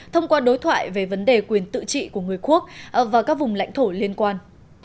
thông qua đối thoại về vấn đề quyền tự trị của người quốc và các vùng lãnh thổ liên quan